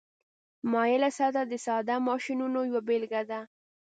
مایله سطحه د ساده ماشینونو یوه بیلګه ده.